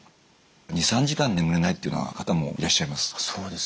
２３時間眠れないっていうような方もいらっしゃいます。